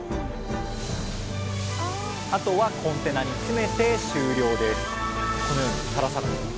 あとはコンテナに詰めて終了です